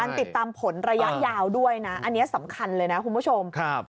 ติดตามผลระยะยาวด้วยนะอันนี้สำคัญเลยนะคุณผู้ชมครับ